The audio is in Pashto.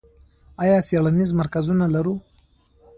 آیا څیړنیز مرکزونه لرو؟